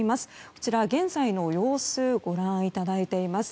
こちら、現在の様子をご覧いただいています。